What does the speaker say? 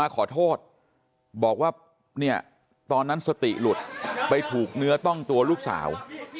ขอโทษบอกว่าตอนนั้นสติหลุดไปถูกเนื้อต้องตัวลูกสาว